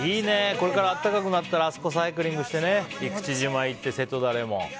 これから暖かくなったら、あそこサイクリングしてね生口島行って、瀬戸田レモン。